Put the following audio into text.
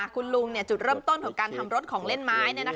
คุณลุงจุดเริ่มต้นของการทำรถของเล่นไม้